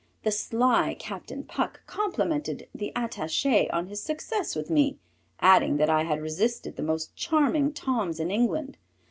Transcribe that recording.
The sly Captain Puck complimented the attaché on his success with me, adding that I had resisted the most charming Toms in England.